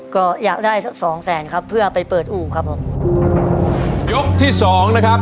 ก็อยากได้สักสองแสนครับเพื่อไปเปิดอู่ครับผมยกที่สองนะครับ